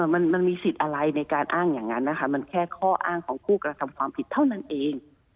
มันมีสิทธิ์อะไรในการอ้างอย่างนั้นนะคะมันแค่ข้ออ้างของผู้กระทำความผิดเท่านั้นเอง